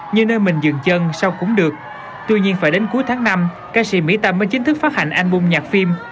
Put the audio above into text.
như nơi mình dừng chân sau cúng được tuy nhiên phải đến cuối tháng năm ca sĩ mỹ tâm mới chính thức phát hành album nhạc phim